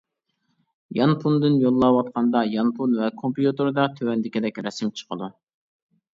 يانفوندىن يوللاۋاتقاندا يانفون ۋە كومپيۇتېردا تۆۋەندىكىدەك رەسىم چىقىدۇ.